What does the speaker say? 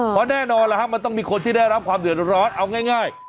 เพราะแน่นอนแล้วครับมันต้องมีคนที่ได้รับความเดือดร้อนเอาง่าย